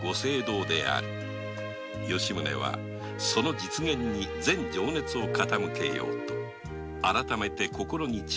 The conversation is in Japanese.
吉宗はその実現に全情熱を傾けようと改めて心に誓った